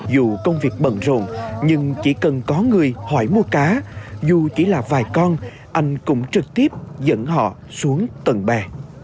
dù công việc bận rộn nhưng chỉ cần có người hỏi mua cá dù chỉ là vài con anh cũng trực tiếp dẫn họ xuống tầng bè